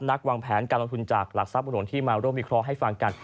วางแผนการลงทุนจากหลักทรัพย์หลวงที่มาร่วมวิเคราะห์ให้ฟังกัน